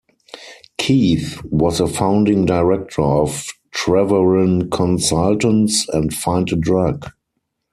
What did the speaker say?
Keith was a founding Director of Treweren Consultants and Find-a-Drug.